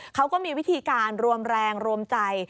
เขาก็มีวิธีการรวมแรงรวมใจ